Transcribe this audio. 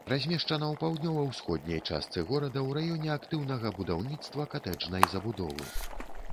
Размешчана ў паўднёва-ўсходняй частцы горада ў раёне актыўнага будаўніцтва катэджнай забудовы.